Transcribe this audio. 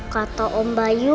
kata om bayu